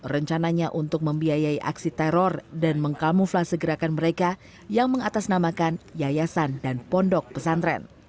rencananya untuk membiayai aksi teror dan mengkamuflasegerakan mereka yang mengatasnamakan yayasan dan pondok pesantren